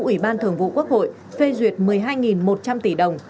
ủy ban thường vụ quốc hội phê duyệt một mươi hai một trăm linh tỷ đồng